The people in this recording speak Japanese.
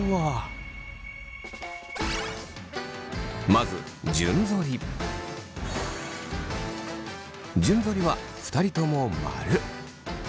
まず順ぞりは２人とも「○」。